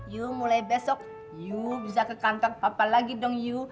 yu mulai besok yu bisa ke kantor papa lagi dong yu